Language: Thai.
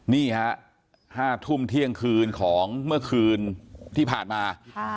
นี่ฮะ๕ทุ่มเที่ยงคืนของเมื่อคืนที่ผ่านมา